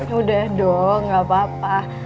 udah dong gak apa apa